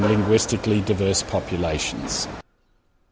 oleh populasi yang berdampak ekonomi dan lingus